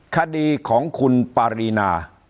คดีของคุณปารีนา